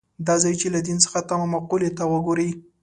دا ځای چې له دین څخه تمه مقولې ته وګوري.